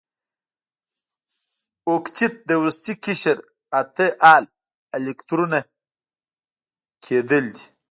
اوکتیت د وروستي قشر اته ال الکترونه کیدل دي.